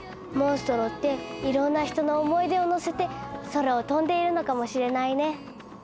モンストロっていろんな人の思い出をのせて空を飛んでいるのかもしれないね。